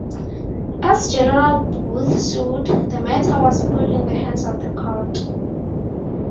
As General Booth sued, the matter was put in the hands of the court.